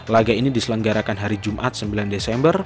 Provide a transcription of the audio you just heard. laga ini diselenggarakan hari jumat sembilan desember